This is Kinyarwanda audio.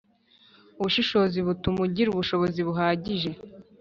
Ubushishozi butuma igira ubushobozi buhagije